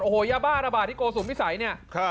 โอ้โหยาบ้าระบาดที่โกสุมวิสัยเนี่ย